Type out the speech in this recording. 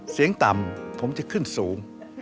เสียงต่ำผมจะขึ้นสูง